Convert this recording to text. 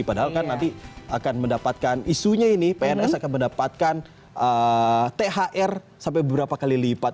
padahal kan nanti akan mendapatkan isunya ini pns akan mendapatkan thr sampai beberapa kali lipat